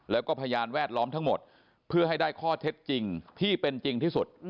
แล้วก็พยานแวดล้อมทั้งหมดเพื่อให้ได้ข้อเท็จจริงที่เป็นจริงที่สุด